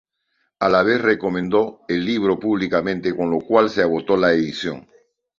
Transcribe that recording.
A la vez, recomendó el libro públicamente, con lo cual se agotó la edición.